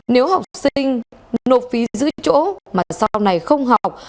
nếu học sinh nộp phí giữ chỗ mà sau này không học